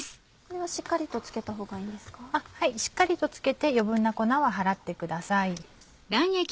はいしっかりと付けて余分な粉を払ってください。